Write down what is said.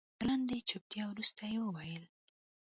تر لنډې چوپتيا وروسته يې وويل.